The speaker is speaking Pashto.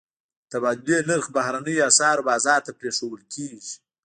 د تبادلې نرخ بهرنیو اسعارو بازار ته پرېښودل کېږي.